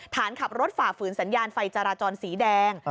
ฐานขับรถฝ่าฝืนสัญญาณไฟจราจรสีแดง